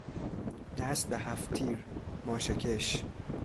دست به هفتتیر، ماشه کش